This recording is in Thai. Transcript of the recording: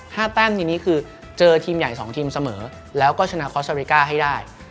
แต้มทีนี้คือเจอทีมใหญ่สองทีมเสมอแล้วก็ชนะคอสเตอริกาให้ได้